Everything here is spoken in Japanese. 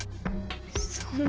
そんな！